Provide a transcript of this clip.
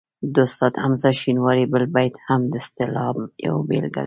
د استاد حمزه شینواري بل بیت هم د اصطلاح یوه بېلګه لري